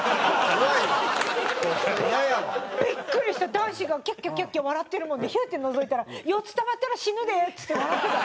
男子がキャッキャキャッキャ笑ってるもんでヒュッてのぞいたら「４つたまったら死ぬで」っつって笑ってた。